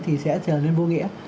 thì sẽ trở nên vô nghĩa